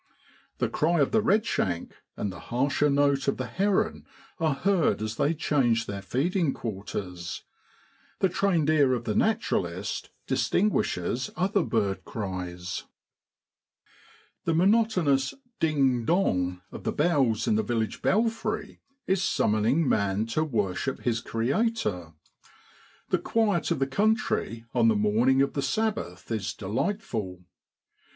The cry of the redshank and the harsher note of the heron are heard as they change their feeding quarters. The trained ear of the naturalist distinguishes other bird cries. The monotonous ding ! dong ! of the bells in the village belfry is summoning man to worship his Creator. The quiet of the country on the morning of the Sabbath is delightful.